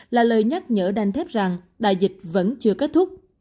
là lời nhắc nhở đành thép rằng đại dịch vẫn chưa kết thúc